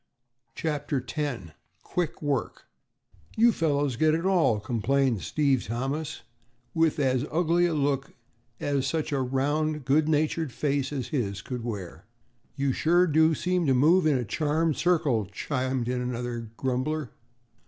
CHAPTER X QUICK WORK "You fellows get it all," complained Steve Thomas, with as ugly a look as such a round good natured face as his could wear. "You sure do seem to move in a charmed circle," chimed in another grumbler.